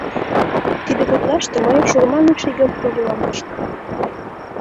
Тиде гутлаште мый шурмаҥыш игым ужылалтышым.